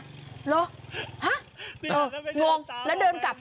เหรอห้ะลงแล้วเดินกลับ